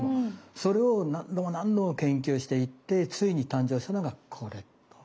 それを何度も何度も研究していってついに誕生したのがこれ。